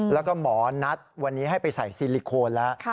แล้วก็หมอนัดวันนี้ให้ไปใส่ซิลิโคนแล้ว